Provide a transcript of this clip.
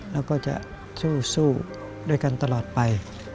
แล้วก็จะสู้ด้วยกันตลอดไป